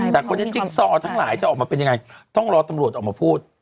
แต่คนนี้จิ๊กซอทั้งหลายจะออกมาเป็นยังไงต้องรอตำรวจออกมาพูด